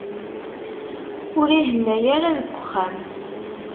Ur ihenna ara deg uxxam.